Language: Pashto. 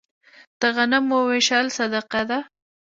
د غنمو ویشل صدقه ده.